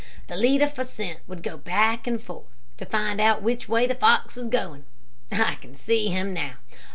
The leader for scent would go back and forth, to find out which way the fox was going. I can see him now.